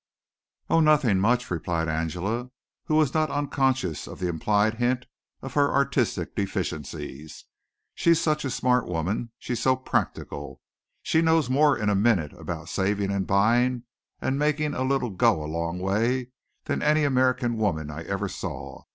"Oh, nothing much," replied Angela, who was not unconscious of the implied hint of her artistic deficiencies. "She's such a smart woman. She's so practical. She knows more in a minute about saving and buying and making a little go a long way than any American woman I ever saw.